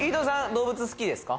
動物好きですか？